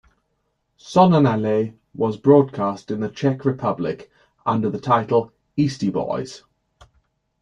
"Sonnenallee" was broadcast in the Czech Republic under the title "Eastie Boys".